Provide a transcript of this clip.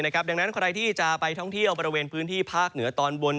ดังนั้นใครที่จะไปท่องเที่ยวบริเวณพื้นที่ภาคเหนือตอนบน